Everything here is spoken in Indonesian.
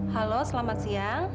halo selamat siang